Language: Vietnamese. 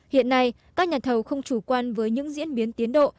hiện nay các nhà thầu không chủ quan với những diễn biến tiến độ